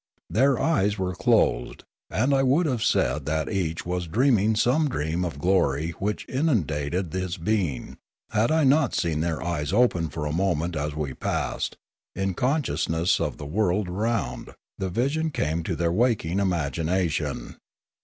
Their eyes were closed, and I would have said that each was dreaming some dream of glory which inundated his being, had I not seen their eyes open for a moment as we passed, in con sciousness of the world around; the vision came to their waking imagination.